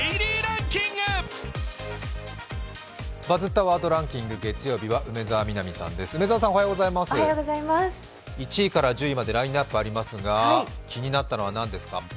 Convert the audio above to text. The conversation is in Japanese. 「バズったワードランキング」月曜日は梅澤さんです、１位から１０位までラインナップがありますが、気になったのは何ですか？